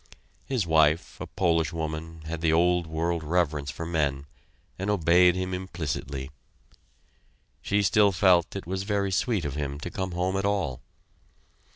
His wife, a Polish woman, had the old world reverence for men, and obeyed him implicitly; she still felt it was very sweet of him to come home at all.